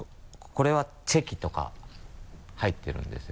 これはチェキとか入ってるんですよ。